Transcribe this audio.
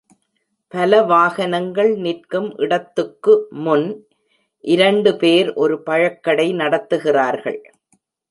பல வாகனங்கள் நிற்கும் இடத்துக்கு முன் இரண்டு பேர் ஒரு பழக்கடை நடத்துகிறார்கள்.